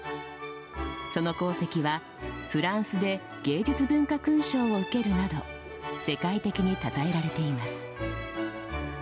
その功績はフランスで芸術文化勲章を受けるなど世界的にたたえられています。